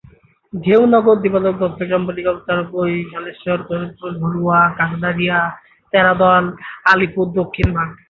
Dheunagar, Digalbak, Duttagram, Balinga, Charabai, শালেশ্বর, কোনাশালেশ্বর, ঘড়ুয়া, Kakardia, Teradal, Alipur, দক্ষিণভাগ।